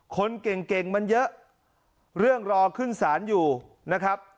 คนเก่งเก่งมันเยอะเรื่องรอขึ้นศาลอยู่นะครับ